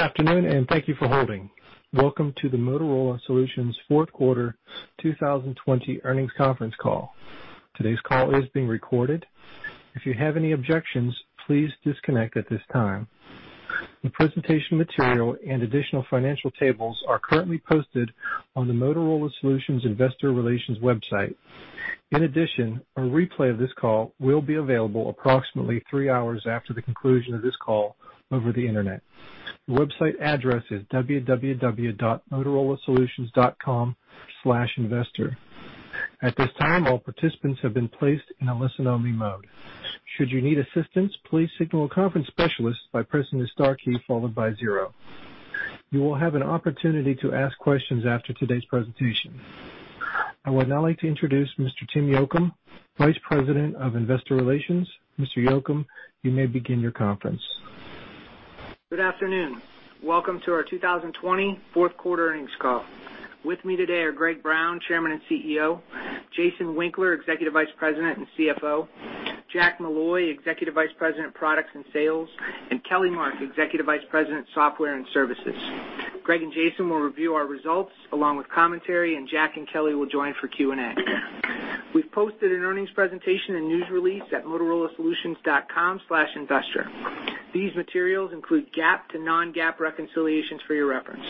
Good afternoon, and thank you for holding. Welcome to the Motorola Solutions Fourth Quarter 2020 Earnings Conference Call. Today's call is being recorded. If you have any objections, please disconnect at this time. The presentation material and additional financial tables are currently posted on the Motorola Solutions Investor Relations website. In addition, a replay of this call will be available approximately three hours after the conclusion of this call over the internet. The website address is www.motorolasolutions.com/investor. At this time, all participants have been placed in a listen-only mode. Should you need assistance, please signal a conference specialist by pressing the star key followed by zero. You will have an opportunity to ask questions after today's presentation. I would now like to introduce Mr. Tim Yocum, Vice President of Investor Relations. Mr. Yocum, you may begin your conference. Good afternoon. Welcome to our 2020 Fourth Quarter Earnings Call. With me today are Greg Brown, Chairman and CEO; Jason Winkler, Executive Vice President and CFO; Jack Molloy, Executive Vice President, Products and Sales; and Kelly Mark, Executive Vice President, Software and Services. Greg and Jason will review our results along with commentary, and Jack and Kelly will join for Q&A. We have posted an earnings presentation and news release at motorolasolutions.com/investor. These materials include GAAP to non-GAAP reconciliations for your reference.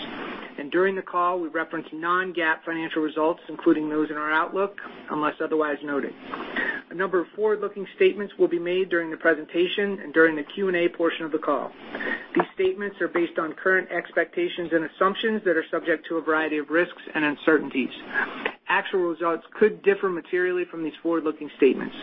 During the call, we reference non-GAAP financial results, including those in our outlook, unless otherwise noted. A number of forward-looking statements will be made during the presentation and during the Q&A portion of the call. These statements are based on current expectations and assumptions that are subject to a variety of risks and uncertainties. Actual results could differ materially from these forward-looking statements.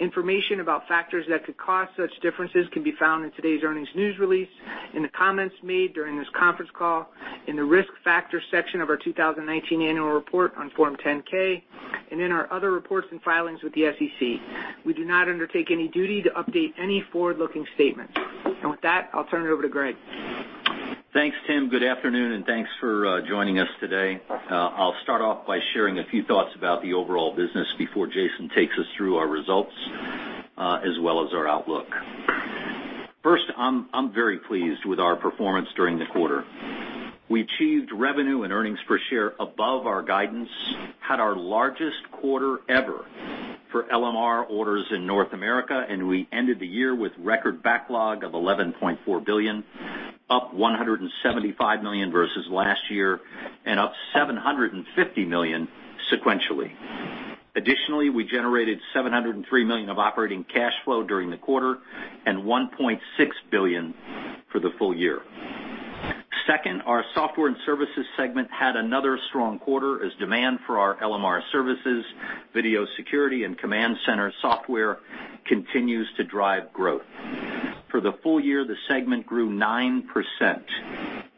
Information about factors that could cause such differences can be found in today's earnings news release, in the comments made during this conference call, in the risk factor section of our 2019 annual report on Form 10-K, and in our other reports and filings with the SEC. We do not undertake any duty to update any forward-looking statements. With that, I'll turn it over to Greg. Thanks, Tim. Good afternoon, and thanks for joining us today. I'll start off by sharing a few thoughts about the overall business before Jason takes us through our results as well as our outlook. First, I'm very pleased with our performance during the quarter. We achieved revenue and earnings per share above our guidance, had our largest quarter ever for LMR orders in North America, and we ended the year with record backlog of $11.4 billion, up $175 million versus last year, and up $750 million sequentially. Additionally, we generated $703 million of operating cash flow during the quarter and $1.6 billion for the full year. Second, our Software and Services segment had another strong quarter as demand for our LMR Services, video security, and Command Center Software continues to drive growth. For the full year, the segment grew 9%,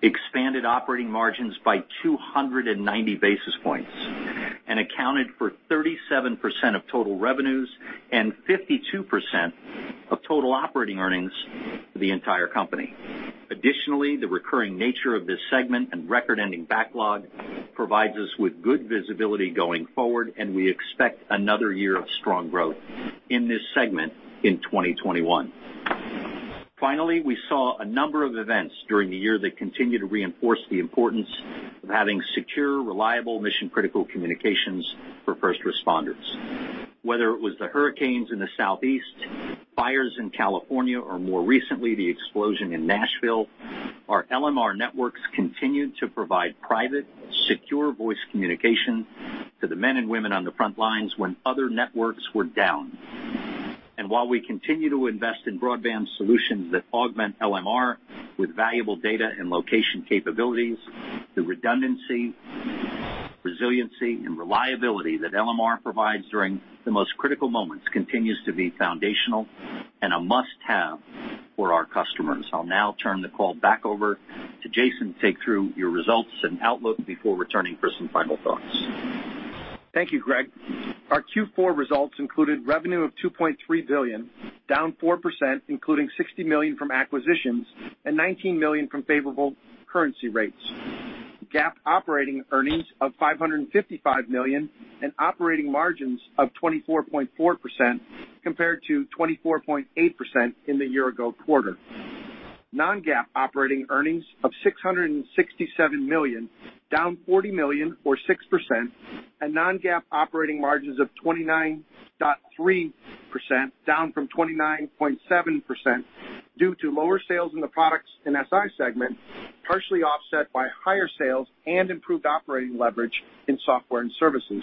expanded operating margins by 290 basis points, and accounted for 37% of total revenues and 52% of total operating earnings for the entire company. Additionally, the recurring nature of this segment and record-ending backlog provides us with good visibility going forward, and we expect another year of strong growth in this segment in 2021. Finally, we saw a number of events during the year that continue to reinforce the importance of having secure, reliable, mission-critical communications for first responders. Whether it was the hurricanes in the Southeast, fires in California, or more recently the explosion in Nashville, our LMR networks continued to provide private, secure voice communication to the men and women on the front lines when other networks were down. While we continue to invest in broadband solutions that augment LMR with valuable data and location capabilities, the redundancy, resiliency, and reliability that LMR provides during the most critical moments continues to be foundational and a must-have for our customers. I'll now turn the call back over to Jason to take you through your results and outlook before returning for some final thoughts. Thank you, Greg. Our Q4 results included revenue of $2.3 billion, down 4%, including $60 million from acquisitions and $19 million from favorable currency rates. GAAP operating earnings of $555 million and operating margins of 24.4% compared to 24.8% in the year-ago quarter. Non-GAAP operating earnings of $667 million, down $40 million, or 6%, and non-GAAP operating margins of 29.3%, down from 29.7% due to lower sales in the Products and SI segment, partially offset by higher sales and improved operating leverage in Software and Services.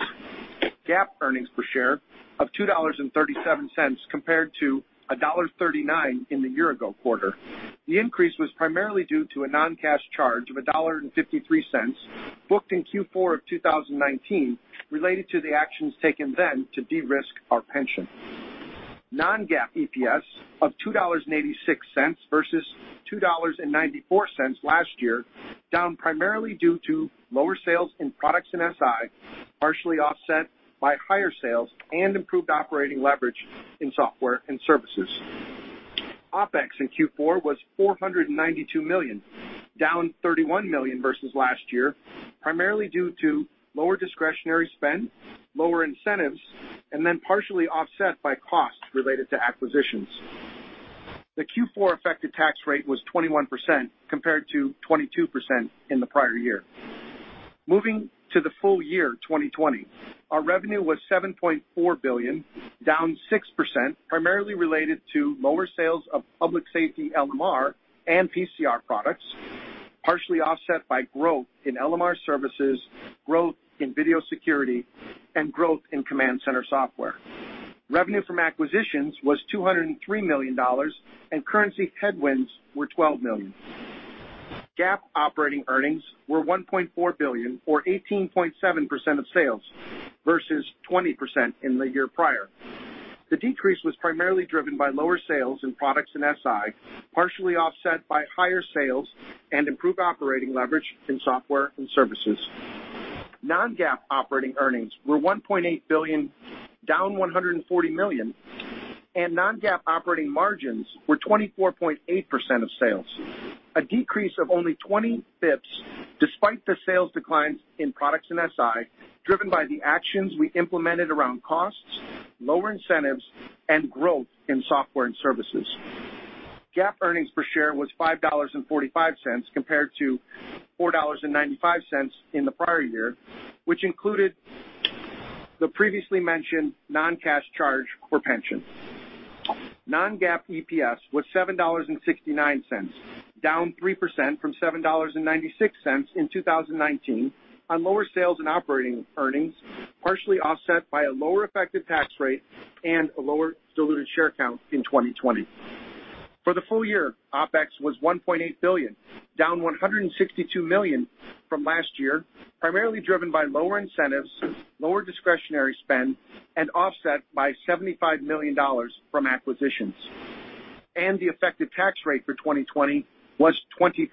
GAAP earnings per share of $2.37 compared to $1.39 in the year-ago quarter. The increase was primarily due to a non-cash charge of $1.53 booked in Q4 of 2019 related to the actions taken then to de-risk our pension. Non-GAAP EPS of $2.86 versus $2.94 last year, down primarily due to lower sales in Products and SI, partially offset by higher sales and improved operating leverage in Software and Services. OpEx in Q4 was $492 million, down $31 million versus last year, primarily due to lower discretionary spend, lower incentives, and then partially offset by costs related to acquisitions. The Q4 effective tax rate was 21% compared to 22% in the prior year. Moving to the full year, 2020, our revenue was $7.4 billion, down 6%, primarily related to lower sales of Public Safety LMR and PCR products, partially offset by growth in LMR services, growth in Video Security, and growth in Command Center Software. Revenue from acquisitions was $203 million, and currency headwinds were $12 million. GAAP operating earnings were $1.4 billion, or 18.7% of sales, versus 20% in the year prior. The decrease was primarily driven by lower sales in Products and SI, partially offset by higher sales and improved operating leverage in Software and Services. Non-GAAP operating earnings were $1.8 billion, down $140 million, and non-GAAP operating margins were 24.8% of sales, a decrease of only 20 basis points despite the sales declines in Products and SI, driven by the actions we implemented around costs, lower incentives, and growth in Software and Services. GAAP earnings per share was $5.45 compared to $4.95 in the prior year, which included the previously mentioned non-cash charge for pension. Non-GAAP EPS was $7.69, down 3% from $7.96 in 2019 on lower sales and operating earnings, partially offset by a lower effective tax rate and a lower diluted share count in 2020. For the full year, OpEx was $1.8 billion, down $162 million from last year, primarily driven by lower incentives, lower discretionary spend, and offset by $75 million from acquisitions. The effective tax rate for 2020 was 20%,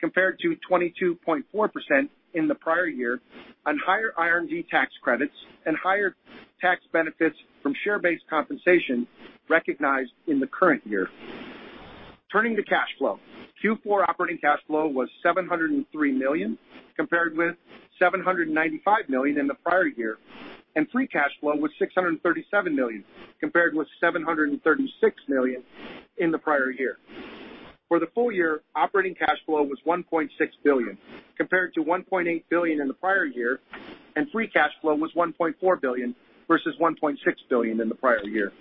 compared to 22.4% in the prior year on higher R&D tax credits and higher tax benefits from share-based compensation recognized in the current year. Turning to cash flow, Q4 operating cash flow was $703 million compared with $795 million in the prior year, and free cash flow was $637 million compared with $736 million in the prior year. For the full year, operating cash flow was $1.6 billion, compared to $1.8 billion in the prior year, and free cash flow was $1.4 billion versus $1.6 billion in the prior year.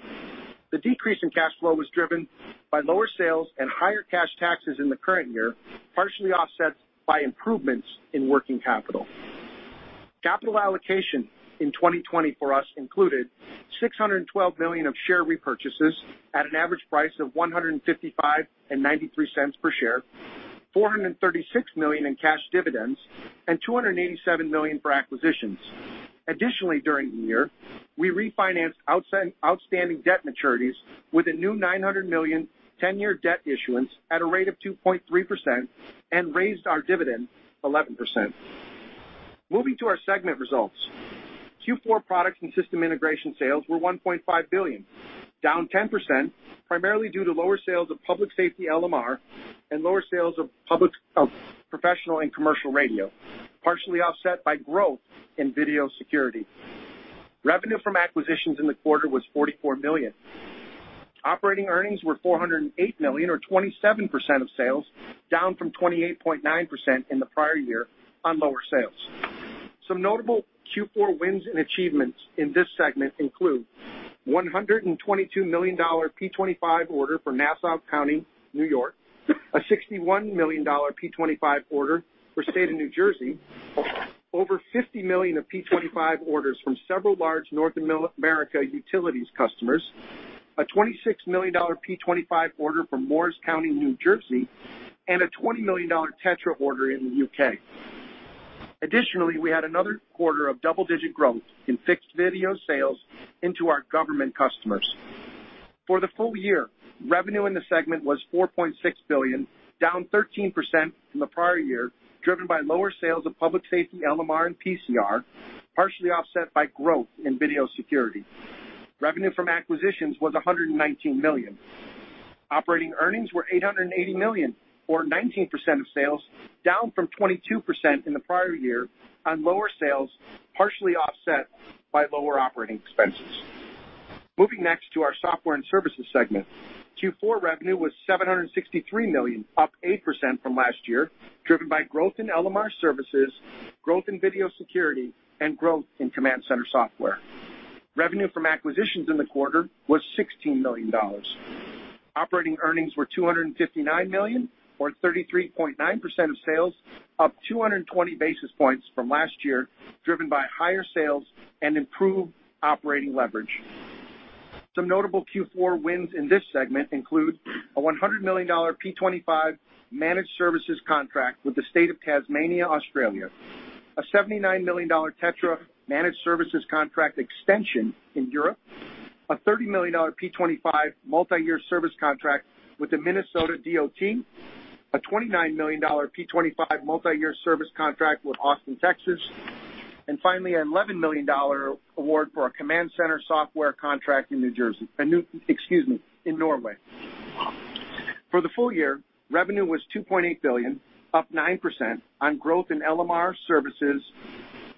The decrease in cash flow was driven by lower sales and higher cash taxes in the current year, partially offset by improvements in working capital. Capital allocation in 2020 for us included $612 million of share repurchases at an average price of $155.93 per share, $436 million in cash dividends, and $287 million for acquisitions. Additionally, during the year, we refinanced outstanding debt maturities with a new $900 million 10-year debt issuance at a rate of 2.3% and raised our dividend 11%. Moving to our segment results, Q4 Product and System Integration sales were $1.5 billion, down 10%, primarily due to lower sales of public safety LMR and lower sales of Professional and Commercial Radio, partially offset by growth in video security. Revenue from acquisitions in the quarter was $44 million. Operating earnings were $408 million, or 27% of sales, down from 28.9% in the prior year on lower sales. Some notable Q4 wins and achievements in this segment include a $122 million P25 order for Nassau County, New York, a $61 million P25 order for the State of New Jersey, over $50 million of P25 orders from several large North America utilities customers, a $26 million P25 order from Morris County, New Jersey, and a $20 million TETRA order in the U.K. Additionally, we had another quarter of double-digit growth in fixed video sales into our government customers. For the full year, revenue in the segment was $4.6 billion, down 13% from the prior year, driven by lower sales of public safety LMR and PCR, partially offset by growth in video security. Revenue from acquisitions was $119 million. Operating earnings were $880 million, or 19% of sales, down from 22% in the prior year on lower sales, partially offset by lower operating expenses. Moving next to our Software and Services segment, Q4 revenue was $763 million, up 8% from last year, driven by growth in LMR services, growth in video security, and growth in Command Center Software. Revenue from acquisitions in the quarter was $16 million. Operating earnings were $259 million, or 33.9% of sales, up 220 basis points from last year, driven by higher sales and improved operating leverage. Some notable Q4 wins in this segment include a $100 million P25 managed services contract with the State of Tasmania, Australia, a $79 million TETRA managed services contract extension in Europe, a $30 million P25 multi-year service contract with the Minnesota DOT, a $29 million P25 multi-year service contract with Austin, Texas, and finally, an $11 million award for a Command Center Software contract in New Jersey. Excuse me, in Norway. For the full year, revenue was $2.8 billion, up 9%, on growth in LMR services,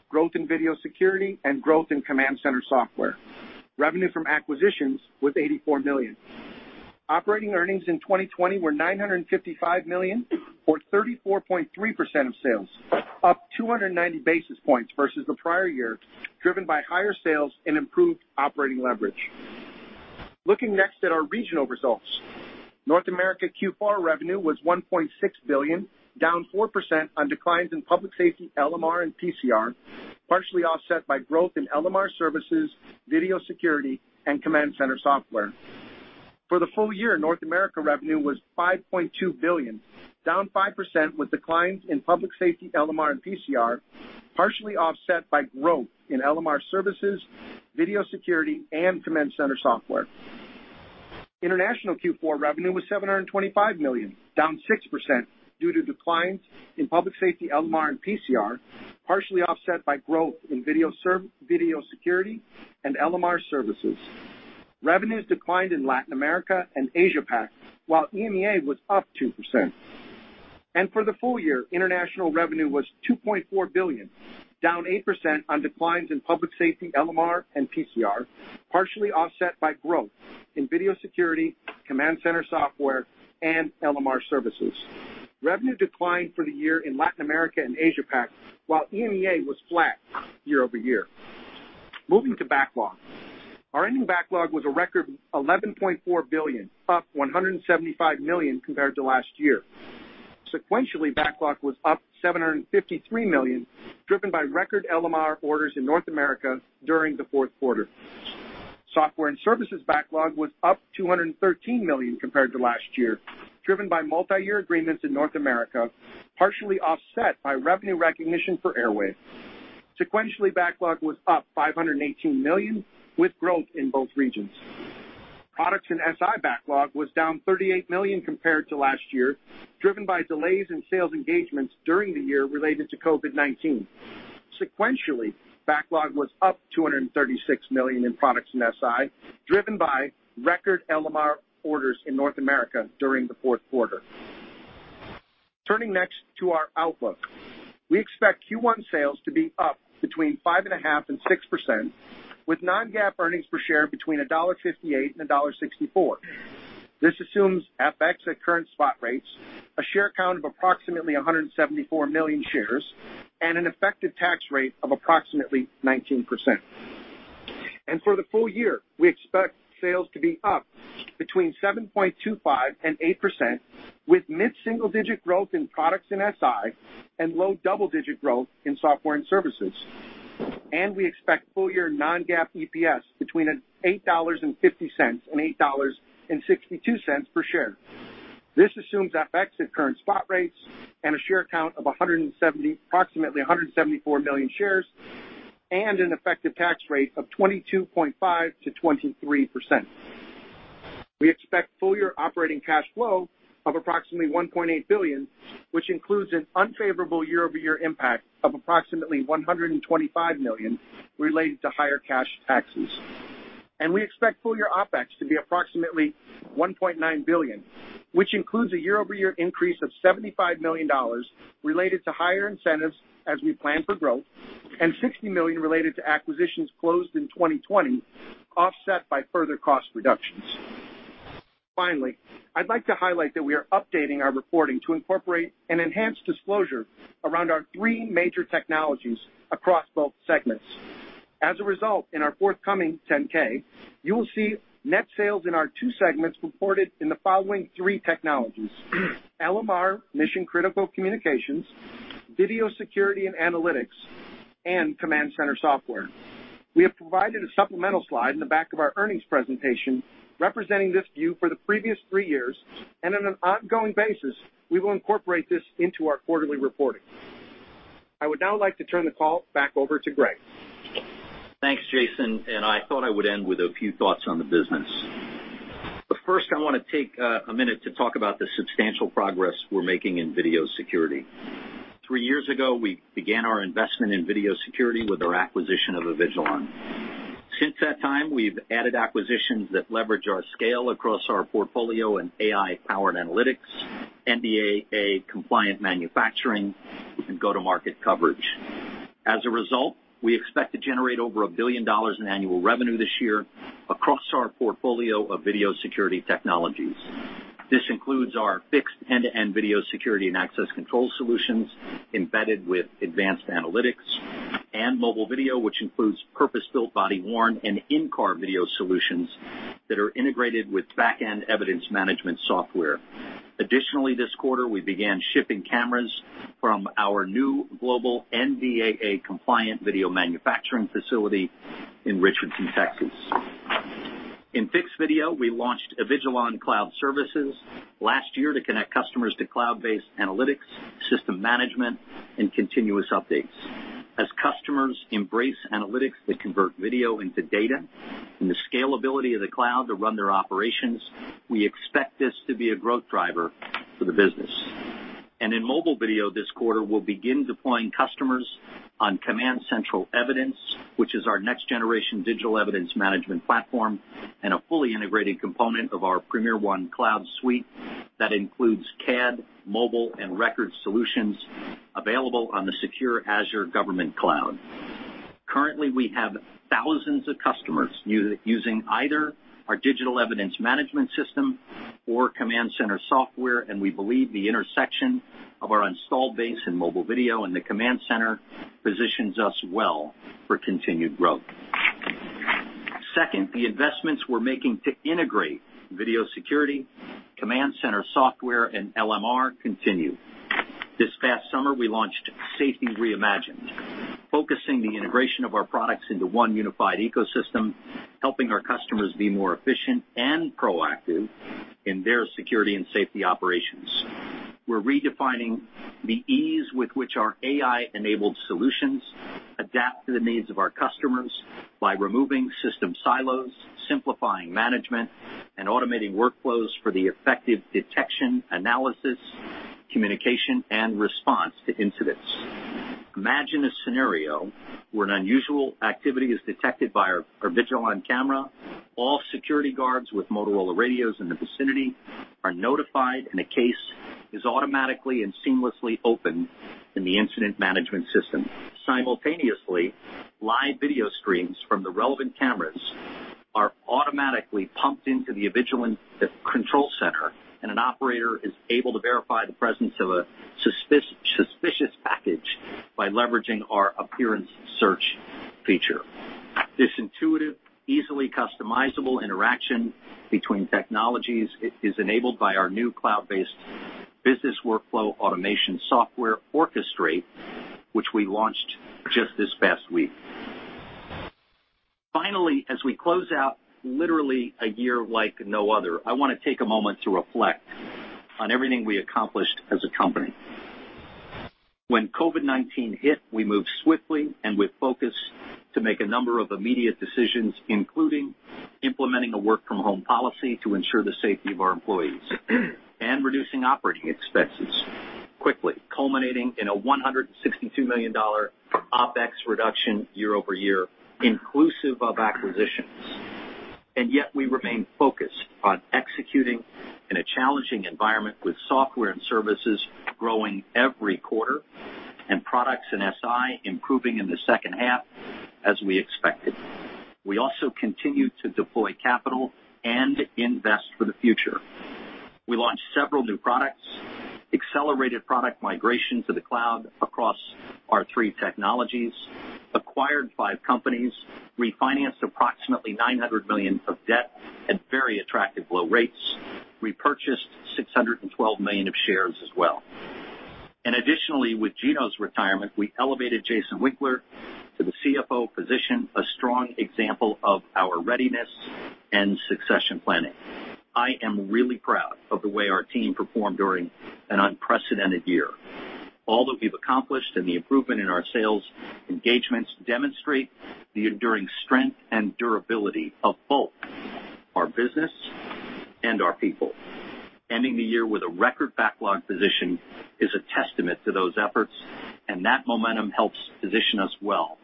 growth in video security, and growth in Command Center Software. Revenue from acquisitions was $84 million. Operating earnings in 2020 were $955 million, or 34.3% of sales, up 290 basis points versus the prior year, driven by higher sales and improved operating leverage. Looking next at our regional results, North America Q4 revenue was $1.6 billion, down 4% on declines in public safety LMR and PCR, partially offset by growth in LMR services, video security, and Command Center Software. For the full year, North America revenue was $5.2 billion, down 5%, with declines in public safety LMR and PCR, partially offset by growth in LMR services, video security, and Command Center Software. International Q4 revenue was $725 million, down 6%, due to declines in public safety LMR and PCR, partially offset by growth in video security and LMR services. Revenues declined in Latin America and Asia-Pacific, while EMEA was up 2%. For the full year, international revenue was $2.4 billion, down 8%, on declines in public safety LMR and PCR, partially offset by growth in video security, Command Center Software, and LMR services. Revenue declined for the year in Latin America and Asia-Pacific, while EMEA was flat year over year. Moving to backlog, our ending backlog was a record $11.4 billion, up $175 million compared to last year. Sequentially, backlog was up $753 million, driven by record LMR orders in North America during the fourth quarter. Software and Services backlog was up $213 million compared to last year, driven by multi-year agreements in North America, partially offset by revenue recognition for Airwave. Sequentially, backlog was up $518 million, with growth in both regions. Products and SI backlog was down $38 million compared to last year, driven by delays in sales engagements during the year related to COVID-19. Sequentially, backlog was up $236 million in Products and SI, driven by record LMR orders in North America during the fourth quarter. Turning next to our outlook, we expect Q1 sales to be up between 5.5% and 6%, with non-GAAP earnings per share between $1.58 and $1.64. This assumes FX at current spot rates, a share count of approximately 174 million shares, and an effective tax rate of approximately 19%. For the full year, we expect sales to be up between 7.25% and 8%, with mid-single-digit growth in Products and SI and low double-digit growth in Software and Services. We expect full-year non-GAAP EPS between $8.50 and $8.62 per share. This assumes FX at current spot rates and a share count of approximately 174 million shares and an effective tax rate of 22.5% to 23%. We expect full-year operating cash flow of approximately $1.8 billion, which includes an unfavorable year-over-year impact of approximately $125 million related to higher cash taxes. We expect full-year OpEx to be approximately $1.9 billion, which includes a year-over-year increase of $75 million related to higher incentives as we plan for growth, and $60 million related to acquisitions closed in 2020, offset by further cost reductions. Finally, I'd like to highlight that we are updating our reporting to incorporate an enhanced disclosure around our three major technologies across both segments. As a result, in our forthcoming 10-K, you will see net sales in our two segments reported in the following three technologies: LMR, mission-critical communications, Video Security and Analytics, and Command Center Software. We have provided a supplemental slide in the back of our earnings presentation representing this view for the previous three years, and on an ongoing basis, we will incorporate this into our quarterly reporting. I would now like to turn the call back over to Greg. Thanks, Jason. I thought I would end with a few thoughts on the business. First, I want to take a minute to talk about the substantial progress we're making in video security. Three years ago, we began our investment in video security with our acquisition of Avigilon. Since that time, we've added acquisitions that leverage our scale across our portfolio in AI-powered analytics, NDAA-compliant manufacturing, and go-to-market coverage. As a result, we expect to generate over $1 billion in annual revenue this year across our portfolio of video security technologies. This includes our fixed end-to-end video security and access control solutions embedded with advanced analytics and mobile video, which includes purpose-built body-worn and in-car video solutions that are integrated with back-end evidence management software. Additionally, this quarter, we began shipping cameras from our new global NDAA-compliant video manufacturing facility in Richardson, Texas. In fixed video, we launched Avigilon Cloud Services last year to connect customers to cloud-based analytics, system management, and continuous updates. As customers embrace analytics that convert video into data and the scalability of the cloud to run their operations, we expect this to be a growth driver for the business. In mobile video, this quarter, we'll begin deploying customers on CommandCentral Evidence, which is our next-generation digital evidence management platform and a fully integrated component of our PremierOne Cloud Suite that includes CAD, mobile, and record solutions available on the secure Azure Government Cloud. Currently, we have thousands of customers using either our digital evidence management system or Command Center Software, and we believe the intersection of our installed base in mobile video and the command center positions us well for continued growth. Second, the investments we're making to integrate video security, Command Center Software, and LMR continue. This past summer, we launched Safety Reimagined, focusing the integration of our products into one unified ecosystem, helping our customers be more efficient and proactive in their security and safety operations. We're redefining the ease with which our AI-enabled solutions adapt to the needs of our customers by removing system silos, simplifying management, and automating workflows for the effective detection, analysis, communication, and response to incidents. Imagine a scenario where an unusual activity is detected by our Avigilon camera. All security guards with Motorola radios in the vicinity are notified, and a case is automatically and seamlessly opened in the incident management system. Simultaneously, live video streams from the relevant cameras are automatically pumped into the Avigilon Control Center, and an operator is able to verify the presence of a suspicious package by leveraging our Appearance Search feature. This intuitive, easily customizable interaction between technologies is enabled by our new cloud-based business workflow automation software, Orchestrate, which we launched just this past week. Finally, as we close out literally a year like no other, I want to take a moment to reflect on everything we accomplished as a company. When COVID-19 hit, we moved swiftly and with focus to make a number of immediate decisions, including implementing a work-from-home policy to ensure the safety of our employees and reducing operating expenses quickly, culminating in a $162 million OpEx reduction year-over-year, inclusive of acquisitions. Yet, we remain focused on executing in a challenging environment with Software and Services growing every quarter and Products and SI improving in the second half, as we expected. We also continue to deploy capital and invest for the future. We launched several new products, accelerated product migration to the cloud across our three technologies, acquired five companies, refinanced approximately $900 million of debt at very attractive low rates, repurchased $612 million of shares as well. Additionally, with Gino's retirement, we elevated Jason Winkler to the CFO position, a strong example of our readiness and succession planning. I am really proud of the way our team performed during an unprecedented year. All that we've accomplished and the improvement in our sales engagements demonstrate the enduring strength and durability of both our business and our people. Ending the year with a record backlog position is a testament to those efforts, and that momentum helps position us well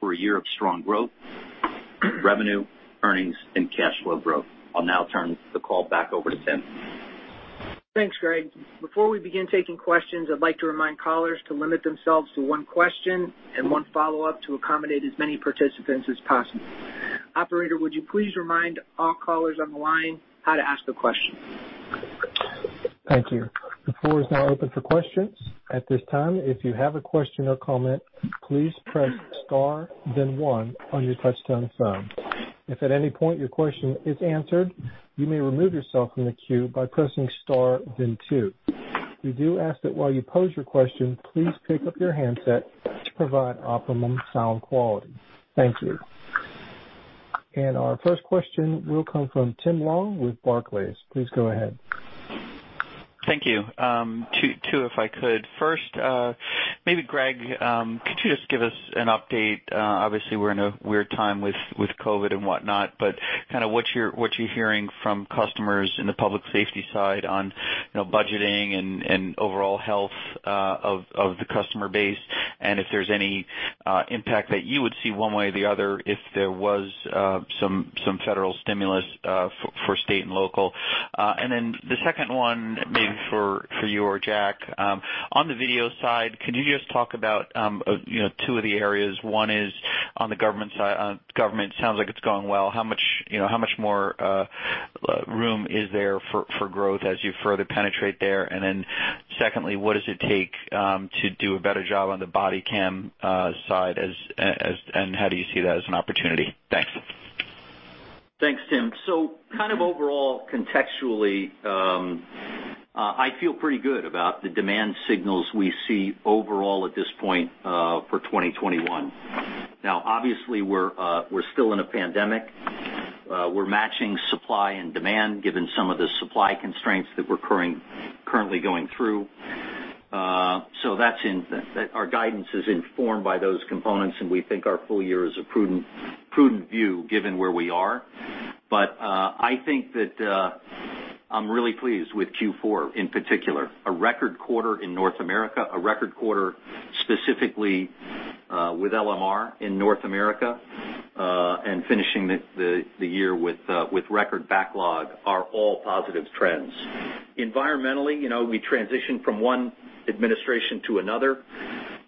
for a year of strong growth, revenue, earnings, and cash flow growth. I'll now turn the call back over to Tim. Thanks, Greg. Before we begin taking questions, I'd like to remind callers to limit themselves to one question and one follow-up to accommodate as many participants as possible. Operator, would you please remind all callers on the line how to ask a question? Thank you. The floor is now open for questions. At this time, if you have a question or comment, please press star, then one, on your touch-tone phone. If at any point your question is answered, you may remove yourself from the queue by pressing star, then two. We do ask that while you pose your question, please pick up your handset to provide optimum sound quality. Thank you. Our first question will come from Tim Long with Barclays. Please go ahead. Thank you. Two, if I could. First, maybe, Greg, could you just give us an update? Obviously, we're in a weird time with COVID and whatnot, but kind of what you're hearing from customers in the public safety side on budgeting and overall health of the customer base and if there's any impact that you would see one way or the other if there was some federal stimulus for state and local. The second one, maybe for you or Jack, on the video side, could you just talk about two of the areas? One is on the government side. Government sounds like it's going well. How much more room is there for growth as you further penetrate there? Secondly, what does it take to do a better job on the body cam side? How do you see that as an opportunity? Thanks. Thanks, Tim. Kind of overall, contextually, I feel pretty good about the demand signals we see overall at this point for 2021. Now, obviously, we're still in a pandemic. We're matching supply and demand given some of the supply constraints that we're currently going through. Our guidance is informed by those components, and we think our full year is a prudent view given where we are. I think that I'm really pleased with Q4 in particular. A record quarter in North America, a record quarter specifically with LMR in North America, and finishing the year with record backlog are all positive trends. Environmentally, we transitioned from one administration to another.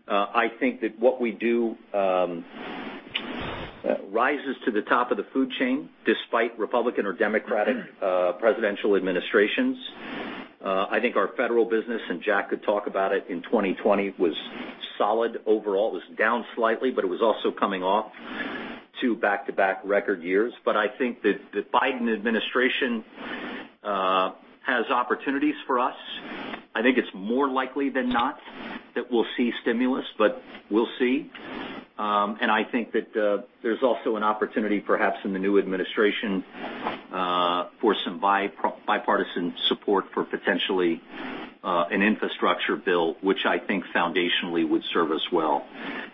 I think that what we do rises to the top of the food chain despite Republican or Democratic presidential administrations. I think our federal business, and Jack could talk about it, in 2020 was solid overall. It was down slightly, but it was also coming off two back-to-back record years. I think that the Biden administration has opportunities for us. I think it's more likely than not that we'll see stimulus, but we'll see. I think that there's also an opportunity perhaps in the new administration for some bipartisan support for potentially an infrastructure bill, which I think foundationally would serve us well.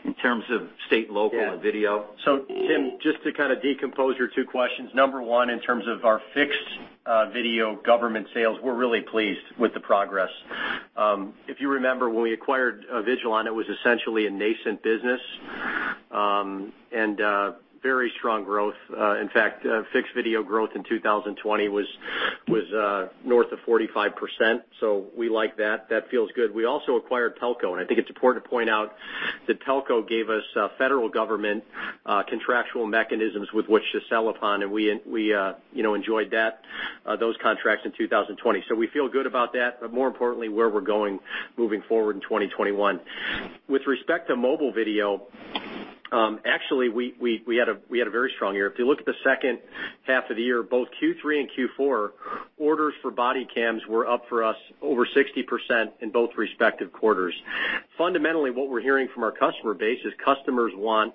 In terms of state and local and video. Tim, just to kind of decompose your two questions. Number one, in terms of our fixed video government sales, we're really pleased with the progress. If you remember, when we acquired Avigilon, it was essentially a nascent business and very strong growth. In fact, fixed video growth in 2020 was north of 45%. We like that. That feels good. We also acquired Pelco, and I think it's important to point out that Pelco gave us federal government contractual mechanisms with which to sell upon, and we enjoyed those contracts in 2020. We feel good about that, but more importantly, where we're going moving forward in 2021. With respect to mobile video, actually, we had a very strong year. If you look at the second half of the year, both Q3 and Q4, orders for body cams were up for us over 60% in both respective quarters. Fundamentally, what we're hearing from our customer base is customers want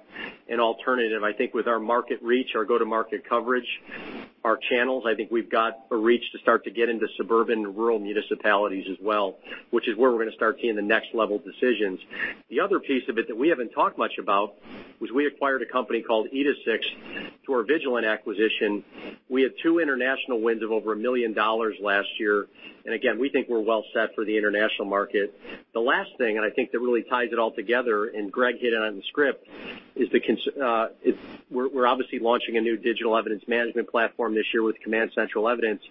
an alternative. I think with our market reach, our go-to-market coverage, our channels, I think we've got a reach to start to get into suburban and rural municipalities as well, which is where we're going to start seeing the next-level decisions. The other piece of it that we haven't talked much about was we acquired a company called Edesix through our Avigilon acquisition. We had two international wins of over $1 million last year. Again, we think we're well set for the international market. The last thing, and I think that really ties it all together, and Greg hit it on the script, is we're obviously launching a new digital evidence management platform this year with Command Central Evidence.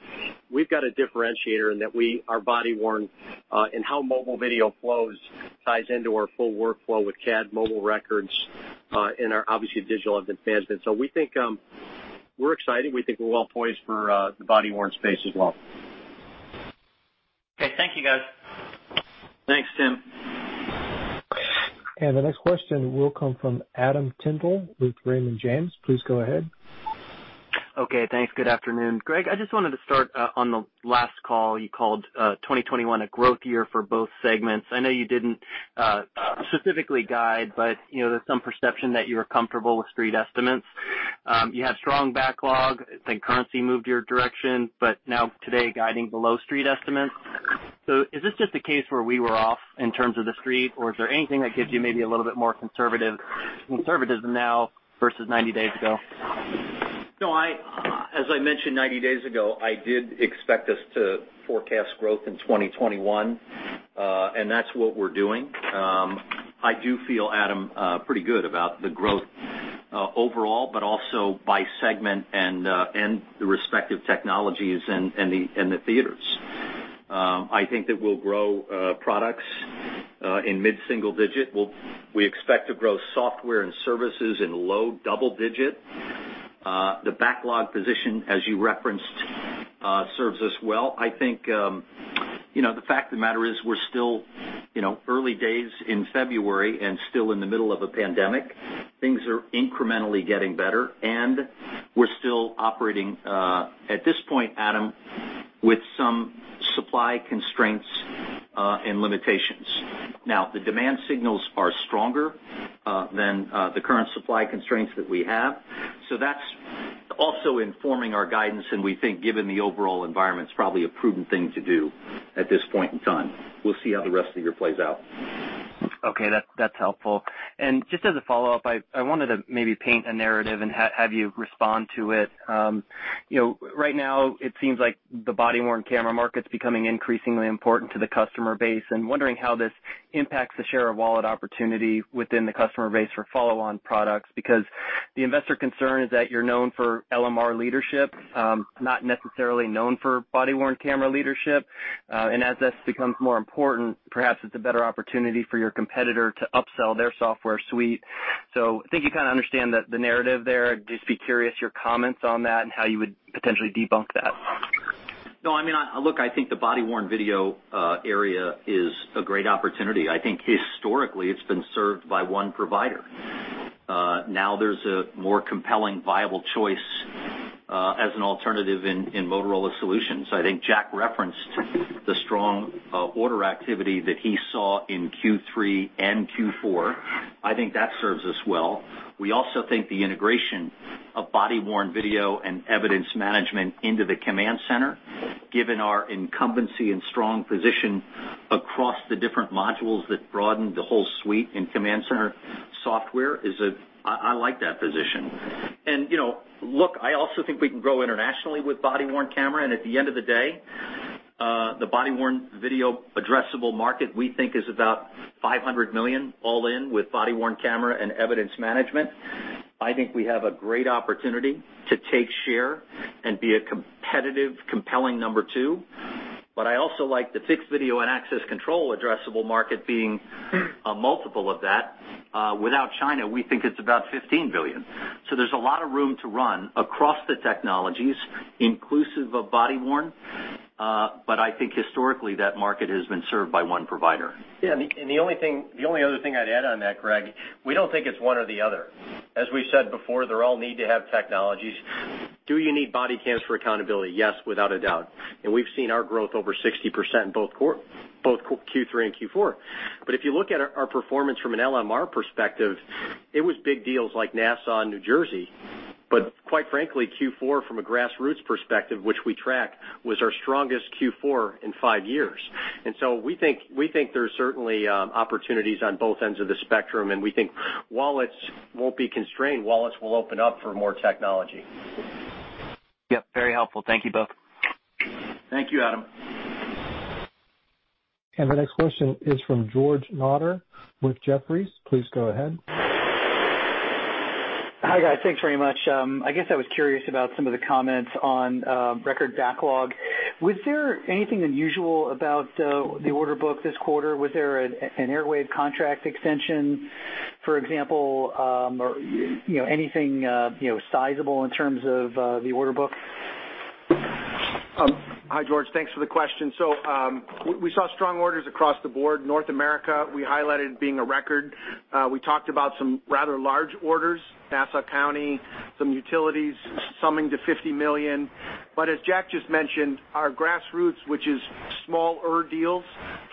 We've got a differentiator in that our body-worn and how mobile video flows ties into our full workflow with CAD, mobile records, and obviously digital evidence management. We think we're excited. We think we're well poised for the body-worn space as well. Okay. Thank you, guys. Thanks, Tim. The next question will come from Adam Tindle with Raymond James. Please go ahead. Okay. Thanks. Good afternoon. Greg, I just wanted to start on the last call. You called 2021 a growth year for both segments. I know you did not specifically guide, but there is some perception that you were comfortable with street estimates. You had strong backlog. I think currency moved your direction, but now today guiding below street estimates. Is this just a case where we were off in terms of the street, or is there anything that gives you maybe a little bit more conservative now versus 90 days ago? No, as I mentioned, 90 days ago, I did expect us to forecast growth in 2021, and that is what we are doing. I do feel, Adam, pretty good about the growth overall, but also by segment and the respective technologies and the theaters. I think that we will grow products in mid-single digit. We expect to grow Software and Services in low double digit. The backlog position, as you referenced, serves us well. I think the fact of the matter is we're still early days in February and still in the middle of a pandemic. Things are incrementally getting better, and we're still operating, at this point, Adam, with some supply constraints and limitations. Now, the demand signals are stronger than the current supply constraints that we have. That is also informing our guidance, and we think, given the overall environment, it's probably a prudent thing to do at this point in time. We'll see how the rest of the year plays out. Okay. That's helpful. Just as a follow-up, I wanted to maybe paint a narrative and have you respond to it. Right now, it seems like the body-worn camera market's becoming increasingly important to the customer base and wondering how this impacts the share of wallet opportunity within the customer base for follow-on products because the investor concern is that you're known for LMR leadership, not necessarily known for body-worn camera leadership. As this becomes more important, perhaps it's a better opportunity for your competitor to upsell their software suite. I think you kind of understand the narrative there. Just be curious your comments on that and how you would potentially debunk that? No, I mean, look, I think the body-worn video area is a great opportunity. I think historically, it's been served by one provider. Now, there's a more compelling, viable choice as an alternative in Motorola Solutions. I think Jack referenced the strong order activity that he saw in Q3 and Q4. I think that serves us well. We also think the integration of body-worn video and evidence management into the command center, given our incumbency and strong position across the different modules that broaden the whole suite in Command Center Software, is a I like that position. I also think we can grow internationally with body-worn camera. At the end of the day, the body-worn video addressable market, we think, is about $500 million all in with body-worn camera and evidence management. I think we have a great opportunity to take share and be a competitive, compelling number two. I also like the fixed video and access control addressable market being a multiple of that. Without China, we think it's about $15 billion. There is a lot of room to run across the technologies, inclusive of body-worn. I think historically, that market has been served by one provider. Yeah. The only other thing I'd add on that, Greg, we don't think it's one or the other. As we've said before, they're all need-to-have technologies. Do you need body cams for accountability? Yes, without a doubt. We've seen our growth over 60% in both Q3 and Q4. If you look at our performance from an LMR perspective, it was big deals like Nassau and New Jersey. Quite frankly, Q4, from a grassroots perspective, which we track, was our strongest Q4 in five years. We think there's certainly opportunities on both ends of the spectrum, and we think wallets won't be constrained. Wallets will open up for more technology. Yep. Very helpful. Thank you both. Thank you, Adam. The next question is from George Notter, with Jefferies. Please go ahead. Hi, guys. Thanks very much. I guess I was curious about some of the comments on record backlog. Was there anything unusual about the order book this quarter? Was there an Airwave contract extension, for example, or anything sizable in terms of the order book? Hi, George. Thanks for the question. We saw strong orders across the board. North America, we highlighted being a record. We talked about some rather large orders, Nassau County, some utilities, summing to $50 million. As Jack just mentioned, our grassroots, which is smaller deals,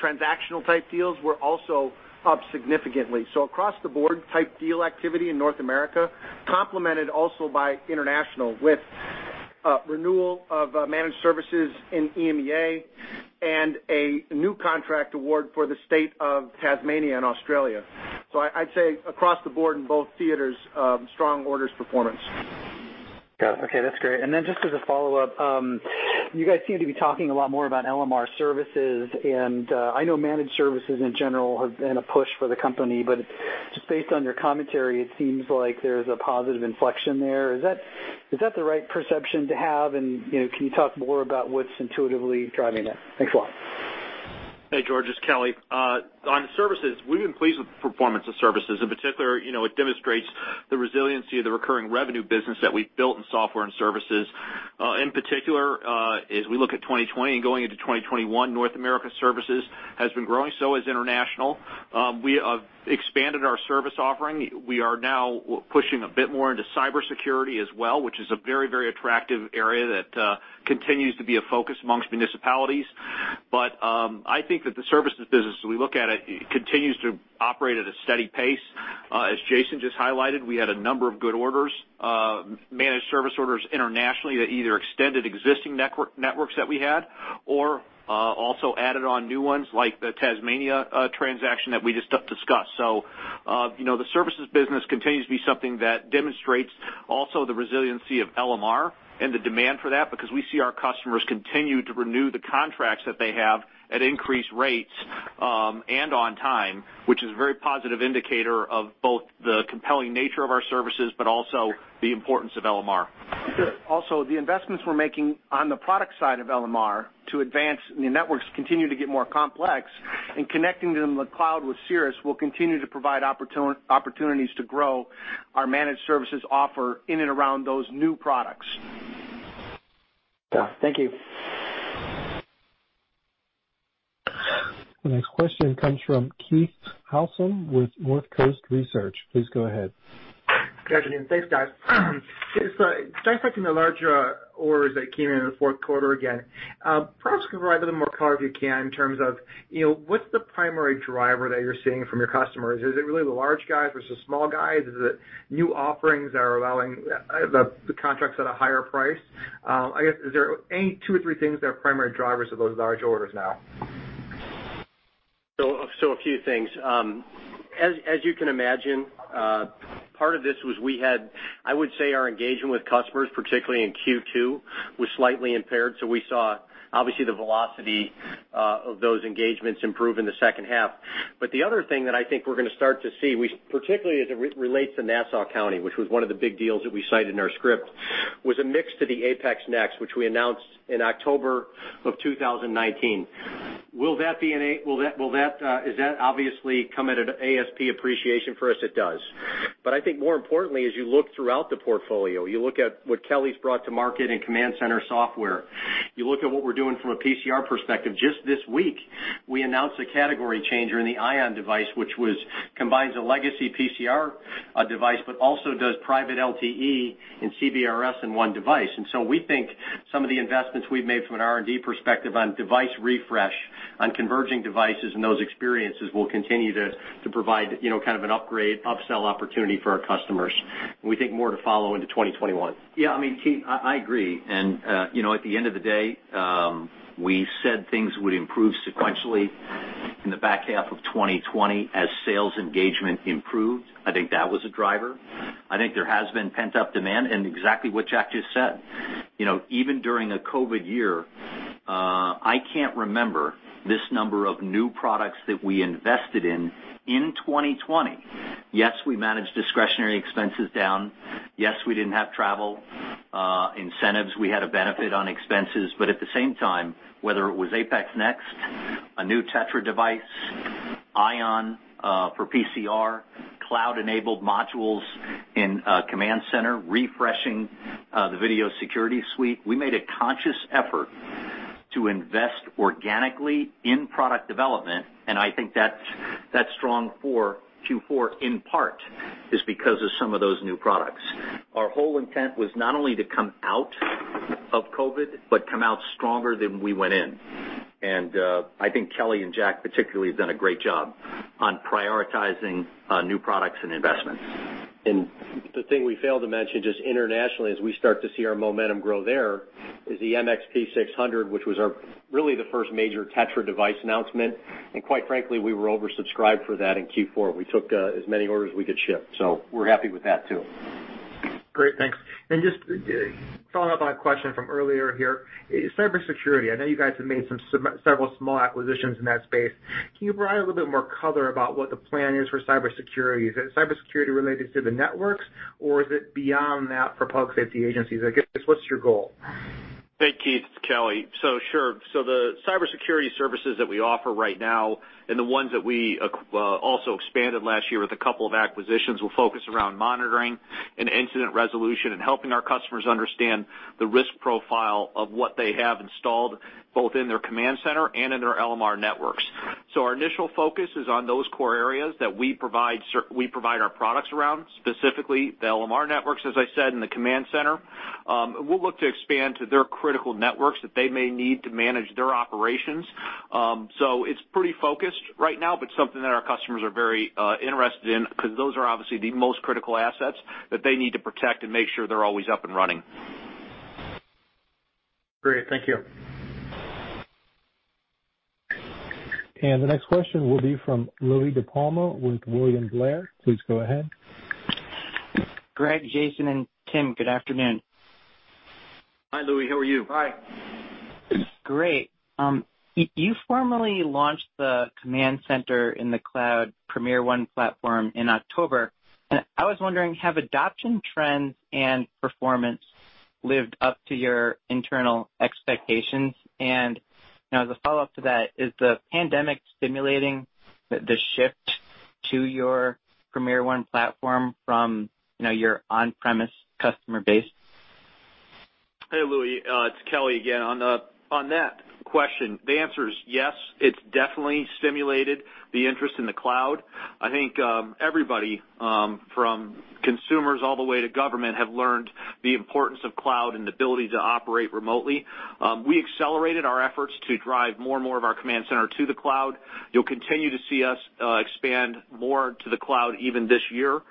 transactional-type deals, were also up significantly. Across the board, type deal activity in North America, complemented also by international with renewal of managed services in EMEA and a new contract award for the state of Tasmania in Australia. I'd say across the board in both theaters, strong orders performance. Got it. Okay. That's great. Just as a follow-up, you guys seem to be talking a lot more about LMR services. I know managed services in general have been a push for the company. Based on your commentary, it seems like there's a positive inflection there. Is that the right perception to have? Can you talk more about what's intuitively driving that? Thanks a lot. Hey, George. It's Kelly. On services, we've been pleased with the performance of services. In particular, it demonstrates the resiliency of the recurring revenue business that we've built in Software and Services. In particular, as we look at 2020 and going into 2021, North America services has been growing, so has international. We have expanded our service offering. We are now pushing a bit more into cybersecurity as well, which is a very, very attractive area that continues to be a focus amongst municipalities. I think that the services business, as we look at it, continues to operate at a steady pace. As Jason just highlighted, we had a number of good orders, managed service orders internationally that either extended existing networks that we had or also added on new ones like the Tasmania transaction that we just discussed. The services business continues to be something that demonstrates also the resiliency of LMR and the demand for that because we see our customers continue to renew the contracts that they have at increased rates and on time, which is a very positive indicator of both the compelling nature of our services but also the importance of LMR. Also, the investments we're making on the product side of LMR to advance the networks continue to get more complex, and connecting them to the cloud with Cirrus will continue to provide opportunities to grow our managed services offer in and around those new products. Thank you. The next question comes from Keith Housum with Northcoast Research. Please go ahead. Good afternoon. Thanks, guys. Just dissecting the larger orders that came in the fourth quarter again, perhaps you can provide a little more color if you can in terms of what's the primary driver that you're seeing from your customers? Is it really the large guys versus small guys? Is it new offerings that are allowing the contracts at a higher price? I guess, is there any two or three things that are primary drivers of those large orders now? A few things. As you can imagine, part of this was we had, I would say, our engagement with customers, particularly in Q2, was slightly impaired. We saw, obviously, the velocity of those engagements improve in the second half. The other thing that I think we're going to start to see, particularly as it relates to Nassau County, which was one of the big deals that we cited in our script, was a mix to the APX Next, which we announced in October of 2019. Will that be and is that obviously come at an ASP appreciation for us? It does. I think more importantly, as you look throughout the portfolio, you look at what Kelly's brought to market in Command Center Software, you look at what we're doing from a PCR perspective. Just this week, we announced a category changer in the Ion device, which combines a legacy PCR device but also does private LTE and CBRS in one device. We think some of the investments we've made from an R&D perspective on device refresh, on converging devices and those experiences will continue to provide kind of an upgrade, upsell opportunity for our customers. We think more to follow into 2021. Yeah. I mean, Keith, I agree. At the end of the day, we said things would improve sequentially in the back half of 2020 as sales engagement improved. I think that was a driver. I think there has been pent-up demand. Exactly what Jack just said, even during a COVID year, I can't remember this number of new products that we invested in in 2020. Yes, we managed discretionary expenses down. Yes, we didn't have travel incentives. We had a benefit on expenses. At the same time, whether it was APX Next, a new TETRA device, Ion for PCR, cloud-enabled modules in command center, refreshing the video security suite, we made a conscious effort to invest organically in product development. I think that's strong for Q4 in part is because of some of those new products. Our whole intent was not only to come out of COVID but come out stronger than we went in. I think Kelly and Jack particularly have done a great job on prioritizing new products and investments. The thing we failed to mention just internationally as we start to see our momentum grow there is the MXP600, which was really the first major TETRA device announcement. Quite frankly, we were oversubscribed for that in Q4. We took as many orders as we could ship. So we're happy with that too. Great. Thanks. And just following up on a question from earlier here, cybersecurity. I know you guys have made several small acquisitions in that space. Can you provide a little bit more color about what the plan is for cybersecurity? Is it cybersecurity related to the networks, or is it beyond that for public safety agencies? I guess, what's your goal? Thank you, Keith. It's Kelly. So sure. The cybersecurity services that we offer right now and the ones that we also expanded last year with a couple of acquisitions will focus around monitoring and incident resolution and helping our customers understand the risk profile of what they have installed both in their command center and in their LMR networks. Our initial focus is on those core areas that we provide our products around, specifically the LMR networks, as I said, and the command center. We'll look to expand to their critical networks that they may need to manage their operations. It's pretty focused right now, but something that our customers are very interested in because those are obviously the most critical assets that they need to protect and make sure they're always up and running. Great. Thank you. The next question will be from Louie DiPalma with William Blair. Please go ahead. Greg, Jason, and Tim, good afternoon. Hi, Louie. How are you? Hi. Great. You formally launched the command center in the cloud PremierOne platform in October. I was wondering, have adoption trends and performance lived up to your internal expectations? As a follow-up to that, is the pandemic stimulating the shift to your PremierOne platform from your on-premise customer base? Hey, Louie. It's Kelly again. On that question, the answer is yes. It's definitely stimulated the interest in the cloud. I think everybody from consumers all the way to government have learned the importance of cloud and the ability to operate remotely. We accelerated our efforts to drive more and more of our command center to the cloud. You'll continue to see us expand more to the cloud even this year.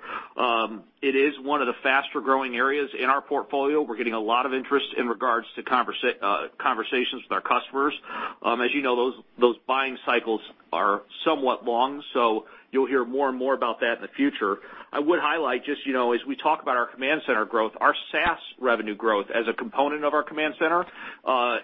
It is one of the faster-growing areas in our portfolio. We're getting a lot of interest in regards to conversations with our customers. As you know, those buying cycles are somewhat long, so you'll hear more and more about that in the future. I would highlight just as we talk about our command center growth, our SaaS revenue growth as a component of our command center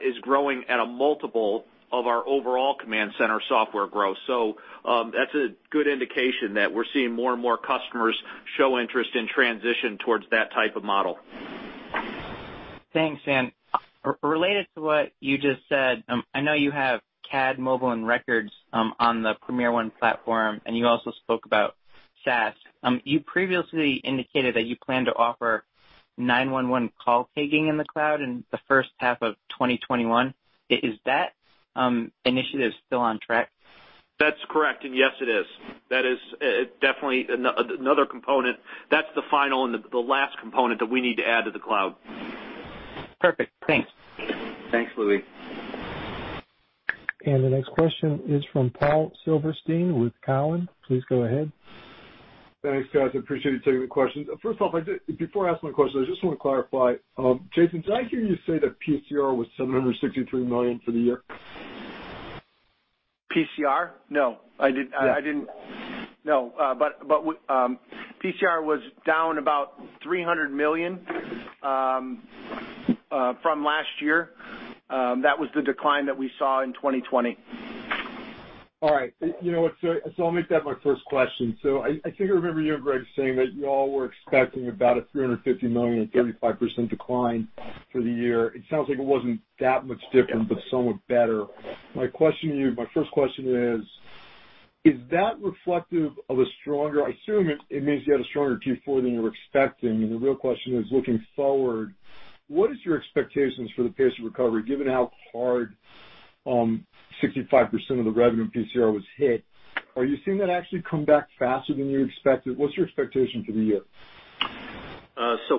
is growing at a multiple of our overall Command Center Software growth. That is a good indication that we are seeing more and more customers show interest in transition towards that type of model. Thanks. Related to what you just said, I know you have CAD, mobile, and records on the PremierOne platform, and you also spoke about SaaS. You previously indicated that you plan to offer 911 call taking in the cloud in the first half of 2021. Is that initiative still on track? That is correct. Yes, it is. That is definitely another component. That is the final and the last component that we need to add to the cloud. Perfect. Thanks. Thanks, Louie. The next question is from Paul Silverstein with Cowen. Please go ahead. Thanks, guys. I appreciate you taking the questions. First off, before I ask my question, I just want to clarify. Jason, did I hear you say that PCR was $763 million for the year? PCR? No. I did not. No. But PCR was down about $300 million from last year. That was the decline that we saw in 2020. All right. I will make that my first question. I think I remember you and Greg saying that you all were expecting about a $350 million and 35% decline for the year. It sounds like it was not that much different, but somewhat better. My first question is, is that reflective of a stronger I assume it means you had a stronger Q4 than you were expecting. The real question is, looking forward, what is your expectations for the pace of recovery given how hard 65% of the revenue in PCR was hit? Are you seeing that actually come back faster than you expected? What's your expectation for the year?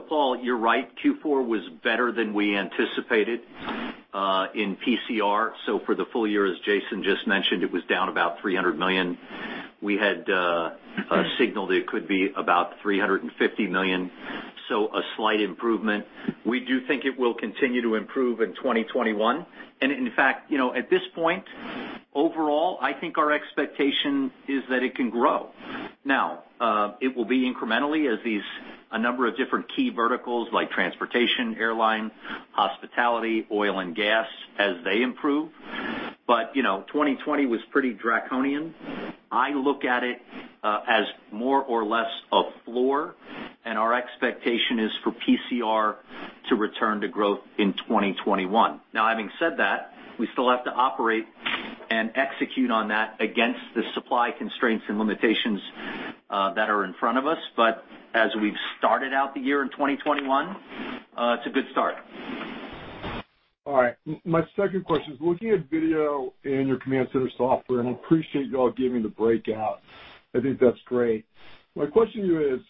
Paul, you're right. Q4 was better than we anticipated in PCR. For the full year, as Jason just mentioned, it was down about $300 million. We had signaled it could be about $350 million, so a slight improvement. We do think it will continue to improve in 2021. In fact, at this point, overall, I think our expectation is that it can grow. It will be incrementally as a number of different key verticals like transportation, airline, hospitality, oil and gas, as they improve. 2020 was pretty draconian. I look at it as more or less a floor, and our expectation is for PCR to return to growth in 2021. Now, having said that, we still have to operate and execute on that against the supply constraints and limitations that are in front of us. As we've started out the year in 2021, it's a good start. All right. My second question is, looking at video in your Command Center Software, and I appreciate you all giving the breakout. I think that's great. My question to you is,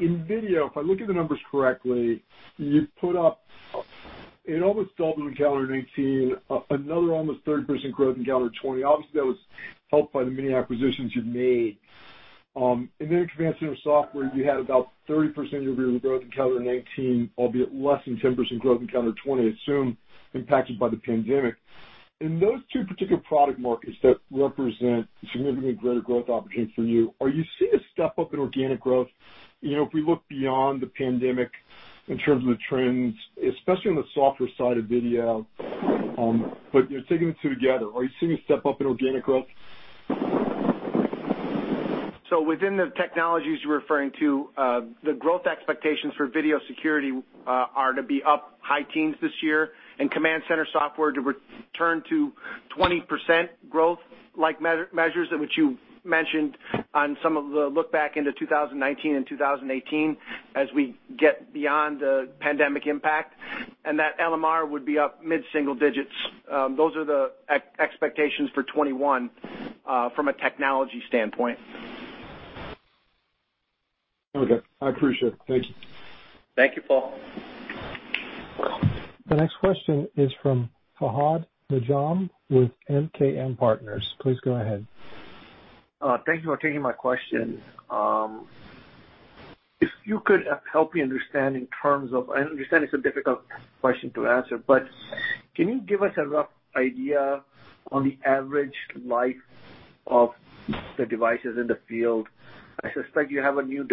in video, if I look at the numbers correctly, you put up it almost doubled in calendar 2019, another almost 30% growth in calendar 2020. Obviously, that was helped by the many acquisitions you've made. In Command Center Software, you had about 30% of your growth in calendar 2019, albeit less than 10% growth in calendar 2020, I assume, impacted by the pandemic. In those two particular product markets that represent significantly greater growth opportunity for you, are you seeing a step up in organic growth? If we look beyond the pandemic in terms of the trends, especially on the software side of video, but you're taking the two together, are you seeing a step up in organic growth? Within the technologies you're referring to, the growth expectations for video security are to be up high teens this year, and Command Center Software to return to 20% growth-like measures that which you mentioned on some of the look-back into 2019 and 2018 as we get beyond the pandemic impact. That LMR would be up mid-single digits. Those are the expectations for 2021 from a technology standpoint. Okay. I appreciate it. Thank you. Thank you, Paul. The next question is from Fahad Najam with MKM Partners. Please go ahead. Thank you for taking my question. If you could help me understand in terms of I understand it's a difficult question to answer, but can you give us a rough idea on the average life of the devices in the field? I suspect you have a new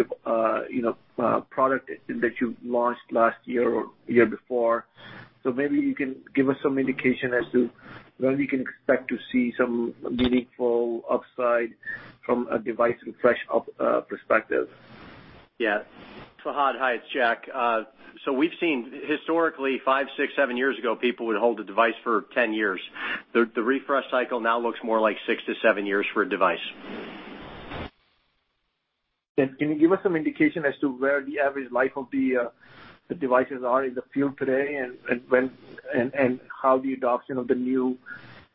product that you launched last year or the year before. Maybe you can give us some indication as to when we can expect to see some meaningful upside from a device refresh perspective. Yeah. Fahad, hi. It's Jack. We have seen historically, five, six, seven years ago, people would hold a device for 10 years. The refresh cycle now looks more like six to seven years for a device. Can you give us some indication as to where the average life of the devices are in the field today and how the adoption of the new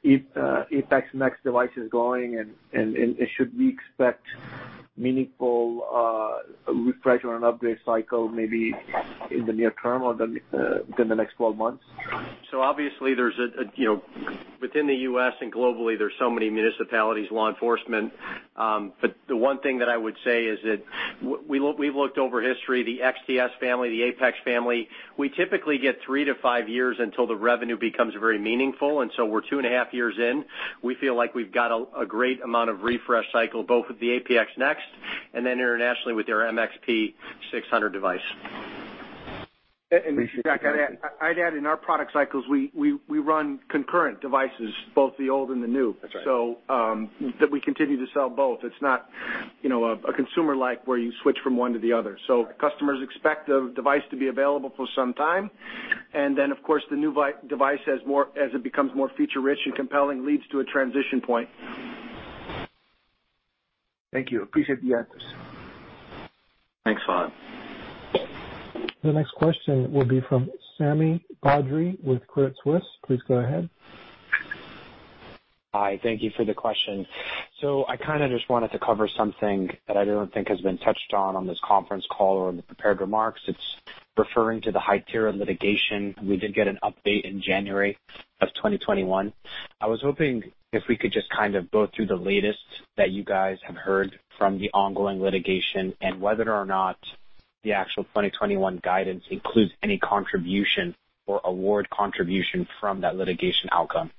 APX Next device is going? Should we expect meaningful refresh or an upgrade cycle maybe in the near term or within the next 12 months? Obviously, within the U.S. and globally, there are so many municipalities, law enforcement. The one thing that I would say is that we've looked over history, the XTS family, the APX family. We typically get three to five years until the revenue becomes very meaningful. We are two and a half years in. We feel like we've got a great amount of refresh cycle, both with the APX Next and then internationally with their MXP600 device. I'd add in our product cycles, we run concurrent devices, both the old and the new. That we continue to sell both. It's not a consumer-like where you switch from one to the other. Customers expect the device to be available for some time. Of course, the new device, as it becomes more feature-rich and compelling, leads to a transition point. Thank you. Appreciate the answers. Thanks, Fahad. The next question will be from Sami Badri with Credit Suisse. Please go ahead. Hi. Thank you for the question. I kind of just wanted to cover something that I don't think has been touched on on this conference call or in the prepared remarks. It's referring to the Hytera litigation. We did get an update in January of 2021. I was hoping if we could just kind of go through the latest that you guys have heard from the ongoing litigation and whether or not the actual 2021 guidance includes any contribution or award contribution from that litigation outcome.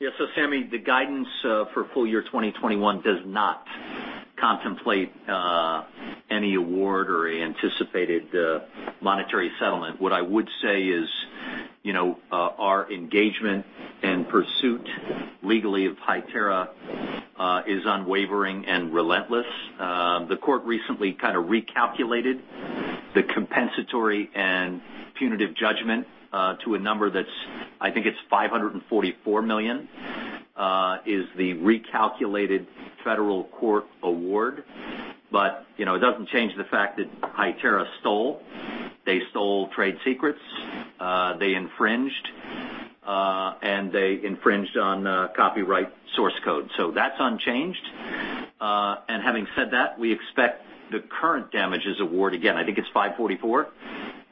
Yeah. So Sami, the guidance for full year 2021 does not contemplate any award or anticipated monetary settlement. What I would say is our engagement and pursuit legally of Hytera is unwavering and relentless. The court recently kind of recalculated the compensatory and punitive judgment to a number that's I think it's $544 million is the recalculated federal court award. It doesn't change the fact that Hytera stole. They stole trade secrets. They infringed. They infringed on copyright source code. That's unchanged. Having said that, we expect the current damages award again. I think it's $544 million.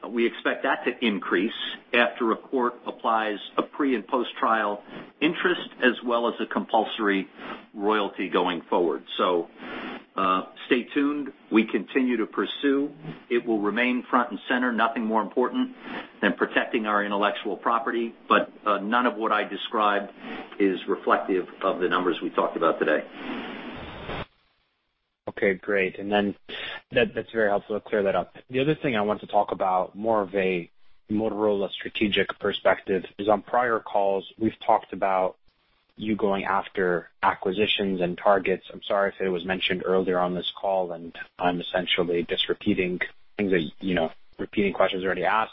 We expect that to increase after a court applies a pre and post-trial interest as well as a compulsory royalty going forward. Stay tuned. We continue to pursue. It will remain front and center. Nothing more important than protecting our intellectual property. None of what I described is reflective of the numbers we talked about today. Okay. Great. That is very helpful to clear that up. The other thing I want to talk about more of a Motorola strategic perspective is on prior calls, we've talked about you going after acquisitions and targets. I'm sorry if it was mentioned earlier on this call, and I'm essentially just repeating questions already asked.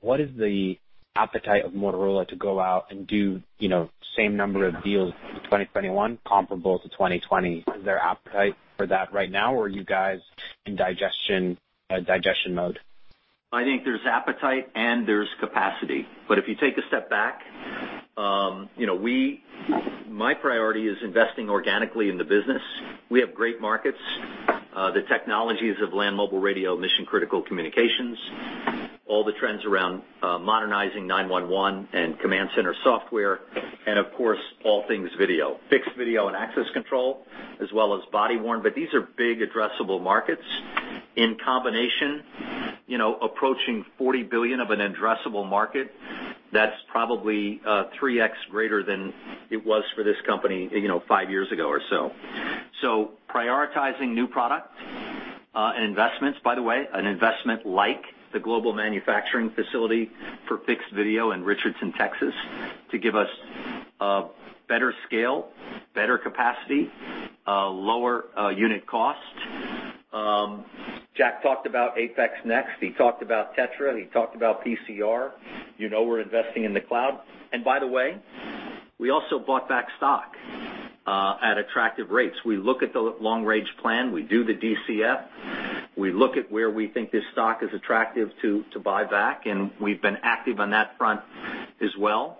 What is the appetite of Motorola to go out and do the same number of deals in 2021 comparable to 2020? Is there appetite for that right now, or are you guys in digestion mode? I think there's appetite, and there's capacity. If you take a step back, my priority is investing organically in the business. We have great markets. The technologies of land mobile radio, mission-critical communications, all the trends around modernizing 911 and Command Center Software, and of course, all things video, fixed video and access control, as well as body-worn. These are big addressable markets. In combination, approaching $40 billion of an addressable market, that's probably 3x greater than it was for this company five years ago or so. Prioritizing new product and investments, by the way, an investment like the global manufacturing facility for fixed video in Richardson, Texas, to give us better scale, better capacity, lower unit cost. Jack talked about APX Next. He talked about TETRA. He talked about PCR. We're investing in the cloud. By the way, we also bought back stock at attractive rates. We look at the long-range plan. We do the DCF. We look at where we think this stock is attractive to buy back. We've been active on that front as well.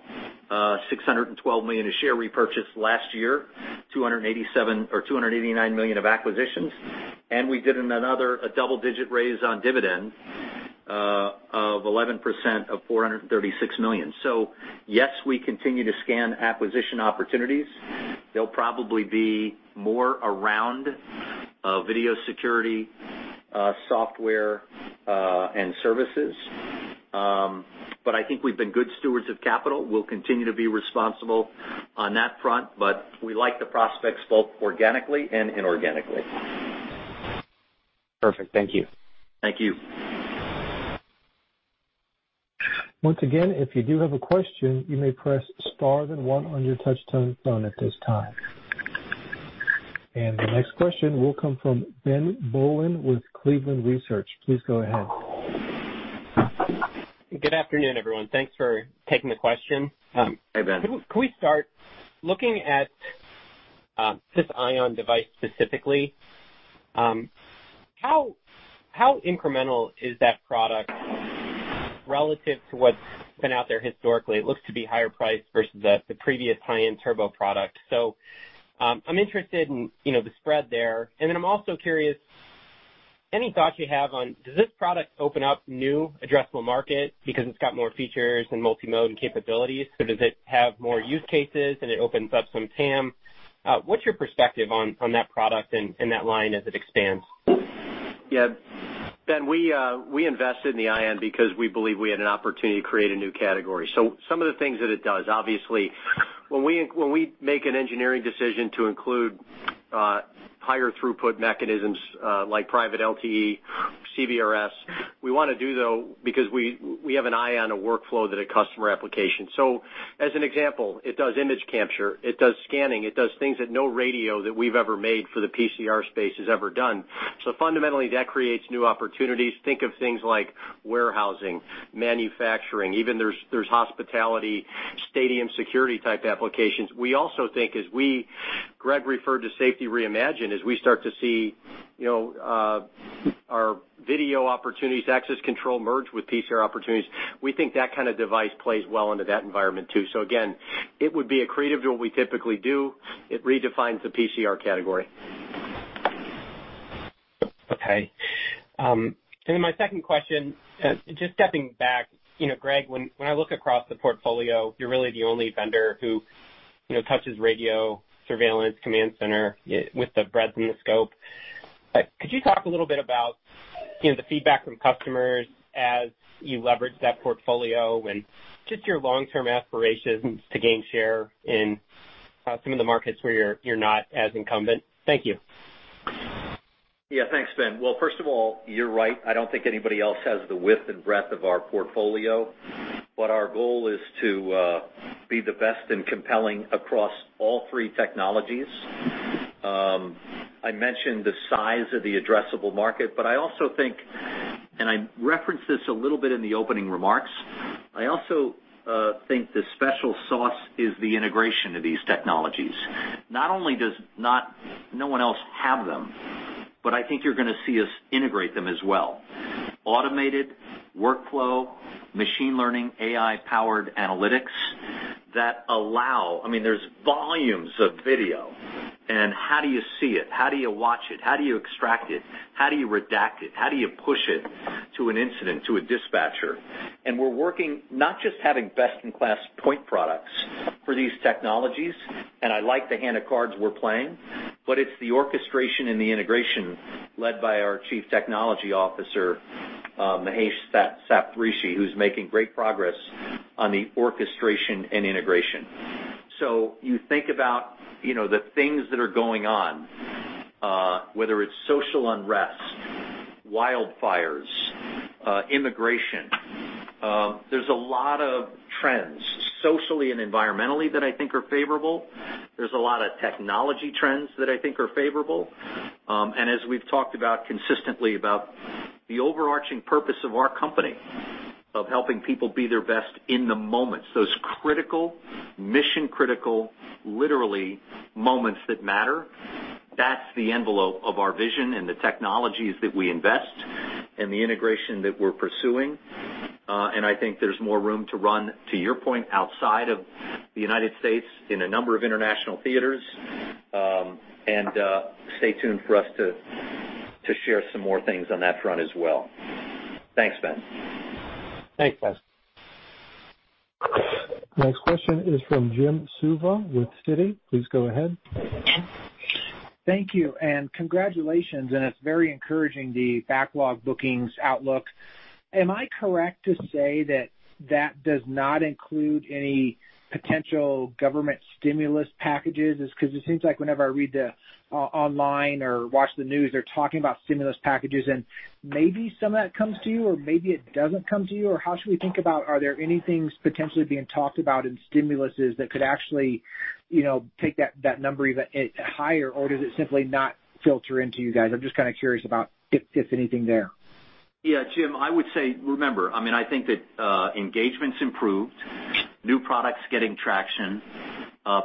$612 million a share repurchased last year, $287 million or $289 million of acquisitions. We did another double-digit raise on dividend of 11% of $436 million. Yes, we continue to scan acquisition opportunities. There'll probably be more around video security Software and Services. I think we've been good stewards of capital. We'll continue to be responsible on that front. We like the prospects both organically and inorganically. Perfect. Thank you. Thank you. Once again, if you do have a question, you may press star then one on your touch-tone phone at this time. The next question will come from Ben Bollin with Cleveland Research. Please go ahead. Good afternoon, everyone. Thanks for taking the question. Hi, Ben. Can we start looking at this Ion device specifically? How incremental is that product relative to what's been out there historically? It looks to be higher priced versus the previous high-end Turbo product. I am interested in the spread there. I am also curious, any thoughts you have on, does this product open up new addressable market because it's got more features and multimode capabilities? Does it have more use cases and it opens up some TAM? What's your perspective on that product and that line as it expands? Yeah. Ben, we invested in the Ion because we believe we had an opportunity to create a new category. Some of the things that it does, obviously, when we make an engineering decision to include higher throughput mechanisms like private LTE, CBRS, we want to do that because we have an eye on a workflow that a customer application. As an example, it does image capture. It does scanning. It does things that no radio that we've ever made for the PCR space has ever done. Fundamentally, that creates new opportunities. Think of things like warehousing, manufacturing. Even there's hospitality, stadium security type applications. We also think, as Greg referred to Safety Reimagined, as we start to see our video opportunities, access control merge with PCR opportunities, we think that kind of device plays well into that environment too. Again, it would be accretive to what we typically do. It redefines the PCR category. Okay. Then my second question, just stepping back, Greg, when I look across the portfolio, you're really the only vendor who touches radio surveillance, command center with the breadth and the scope. Could you talk a little bit about the feedback from customers as you leverage that portfolio and just your long-term aspirations to gain share in some of the markets where you're not as incumbent? Thank you. Yeah. Thanks, Ben. First of all, you're right. I don't think anybody else has the width and breadth of our portfolio. Our goal is to be the best and compelling across all three technologies. I mentioned the size of the addressable market, but I also think, and I referenced this a little bit in the opening remarks, I also think the special sauce is the integration of these technologies. Not only does no one else have them, but I think you're going to see us integrate them as well. Automated workflow, machine learning, AI-powered analytics that allow, I mean, there's volumes of video. And how do you see it? How do you watch it? How do you extract it? How do you redact it? How do you push it to an incident, to a dispatcher? We're working not just having best-in-class point products for these technologies, and I like the hand of cards we're playing, but it's the orchestration and the integration led by our Chief Technology Officer, Mahesh Saptharishi, who's making great progress on the orchestration and integration. You think about the things that are going on, whether it's social unrest, wildfires, immigration. There's a lot of trends socially and environmentally that I think are favorable. There's a lot of technology trends that I think are favorable. As we've talked about consistently about the overarching purpose of our company of helping people be their best in the moments, those critical, mission-critical, literally moments that matter, that's the envelope of our vision and the technologies that we invest and the integration that we're pursuing. I think there's more room to run, to your point, outside of the U.S. in a number of international theaters. Stay tuned for us to share some more things on that front as well. Thanks, Ben. Thanks, Greg. Next question is from Jim Suva with Citi. Please go ahead. Thank you. Congratulations. It's very encouraging, the backlog bookings outlook. Am I correct to say that that does not include any potential government stimulus packages? Because it seems like whenever I read online or watch the news, they're talking about stimulus packages. Maybe some of that comes to you, or maybe it doesn't come to you. How should we think about, are there any things potentially being talked about in stimulus that could actually take that number even higher, or does it simply not filter into you guys? I'm just kind of curious about if anything there. Yeah. Jim, I would say, remember, I mean, I think that engagement's improved, new products getting traction,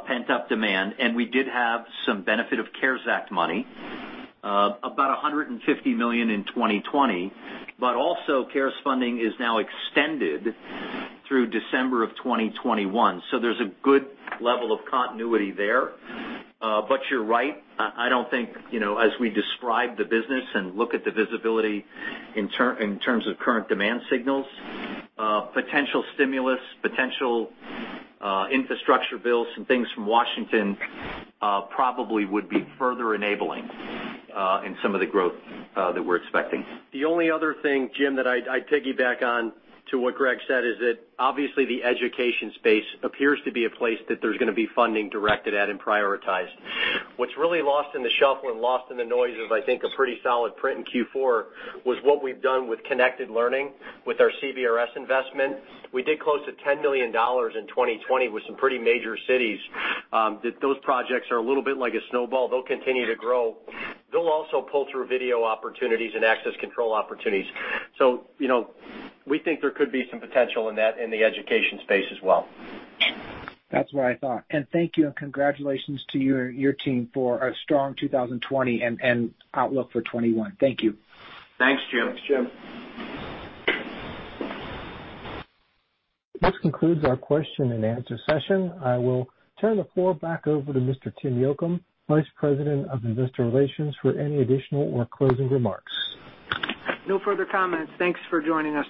pent-up demand. We did have some benefit of CARES Act money, about $150 million in 2020. CARES funding is now extended through December of 2021. There is a good level of continuity there. You're right. I don't think as we describe the business and look at the visibility in terms of current demand signals, potential stimulus, potential infrastructure bills and things from Washington probably would be further enabling in some of the growth that we're expecting. The only other thing, Jim, that I'd piggyback on to what Greg said is that obviously the education space appears to be a place that there's going to be funding directed at and prioritized. What's really lost in the shuffle and lost in the noise is I think a pretty solid print in Q4 was what we've done with Connected Learning with our CBRS investment. We did close to $10 million in 2020 with some pretty major cities. Those projects are a little bit like a snowball. They'll continue to grow. They'll also pull through video opportunities and access control opportunities. We think there could be some potential in that in the education space as well. That's what I thought. Thank you. Congratulations to your team for a strong 2020 and outlook for 2021. Thank you. Thanks, Jim. Thanks, Jim. This concludes our question and answer session. I will turn the floor back over to Mr. Tim Yocum, Vice President of Investor Relations, for any additional or closing remarks. No further comments. Thanks for joining us.